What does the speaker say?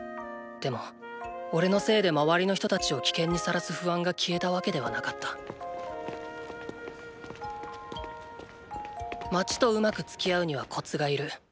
でもおれのせいで周りの人たちを危険に晒す不安が消えたわけではなかった街とうまくつきあうにはコツがいる。